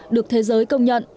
được thế giới công nhận